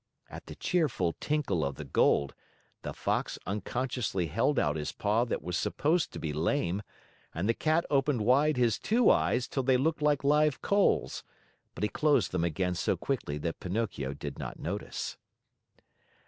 At the cheerful tinkle of the gold, the Fox unconsciously held out his paw that was supposed to be lame, and the Cat opened wide his two eyes till they looked like live coals, but he closed them again so quickly that Pinocchio did not notice.